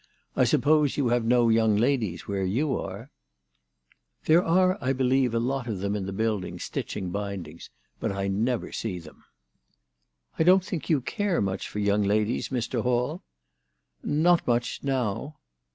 I suppose you have no young ladies where you are ?"" There are I believe a lot of them in the building, stitching bindings ; but I never see them." " I don't think you care much for young ladies, Mr. Hall." " Not much now."